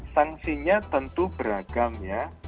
sanksinya tentu beragam ya